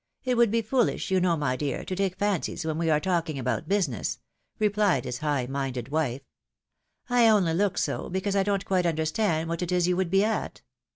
It would be foolish, you know, my dear, to take fancies when we are talking about business," replied his high minded wife :" I only look so, because I don't quite understand what it is you would be at.